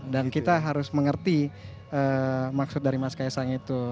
dan kita harus mengerti maksud dari mas kaisang itu